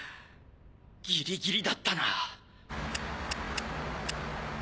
ギリギリだったな。